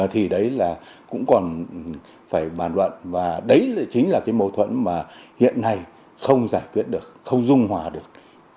thì đấy là cũng còn phải bàn luận và đấy chính là cái mâu thuẫn mà hiện nay không giải quyết được không dung hòa được